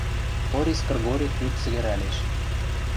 Порис Кргори трӱк сӹгӹрӓлеш: